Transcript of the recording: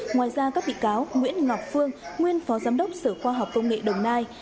ngoài ra các bị cáo nguyễn ngọc phương nguyên phó giám đốc sở khoa học công nghệ đồng nai